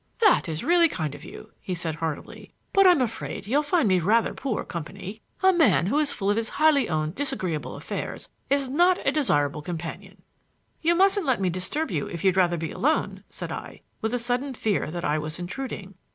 "That is really kind of you," he said heartily. "But I'm afraid you'll find me rather poor company. A man who is full of his own highly disagreeable affairs is not a desirable companion." "You mustn't let me disturb you if you'd rather be alone," said I, with a sudden fear that I was intruding.